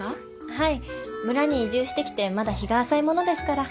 はい村に移住してきてまだ日が浅いものですから。